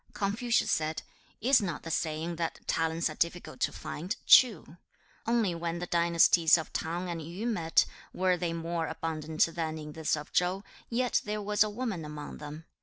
3. Confucius said, 'Is not the saying that talents are difficult to find, true? Only when the dynasties of T'ang and Yu met, were they more abundant than in this of Chau, yet there was a woman among them.